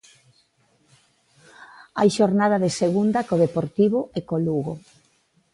Hai xornada de Segunda co Deportivo e co Lugo.